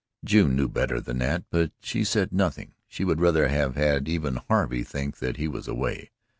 June knew better than that but she said nothing. She would rather have had even Harvey think that he was away.